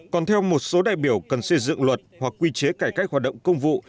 còn theo một số đại biểu cần xây dựng luật hoặc quy chế cải cách hoạt động công vụ